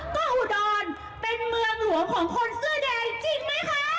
ก็อุดรเป็นเมืองหลวงของคนเสื้อแดงจริงไหมคะ